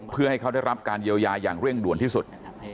เพื่อให้เขาได้รับการเยียวยาอย่างเร่งด่วนที่สุด